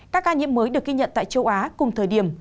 các ca nhiễm mới được ghi nhận tại châu á cùng thời điểm